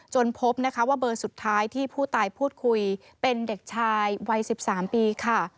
พบนะคะว่าเบอร์สุดท้ายที่ผู้ตายพูดคุยเป็นเด็กชายวัย๑๓ปีค่ะ